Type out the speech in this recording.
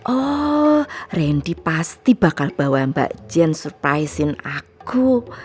oh rendy pasti bakal bawa mbak jen surprise in aku